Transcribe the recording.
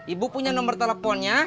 ibu punya nomer teleponnya